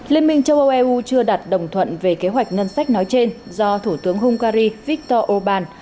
liên minh châu âu eu chưa đặt đồng thuận về kế hoạch ngân sách nói trên do thủ tướng hungary viktor orbán